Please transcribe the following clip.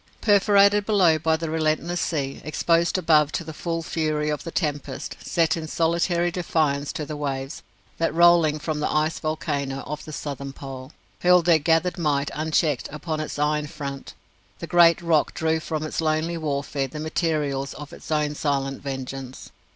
Perforated below by the relentless sea, exposed above to the full fury of the tempest; set in solitary defiance to the waves, that rolling from the ice volcano of the Southern Pole, hurled their gathered might unchecked upon its iron front, the great rock drew from its lonely warfare the materials of its own silent vengeance.